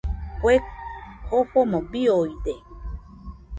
Kue jofomo biooide.